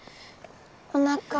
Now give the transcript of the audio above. おなか。